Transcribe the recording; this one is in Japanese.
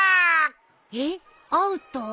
えっアウト？